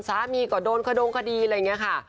สามีก็โดนขดงคดีอะไรอย่างนี้ค่ะ